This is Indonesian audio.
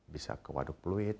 bisa ke waduk pluit